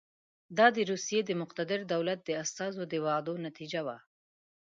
دا د روسیې د مقتدر دولت د استازو د وعدو نتیجه وه.